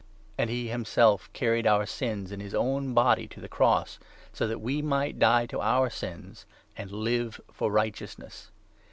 And he 24 ' himself carried our sins ' in his own body to the cross, so that we might die to our sins, and live for righteousness.